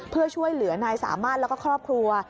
เพื่อช่วยเหลือนายสามารถแล้วก็ครอบครัว